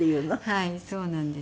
はいそうなんです。